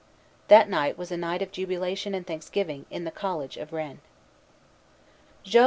That night was a night of jubilation and thanksgiving in the college of Rennes.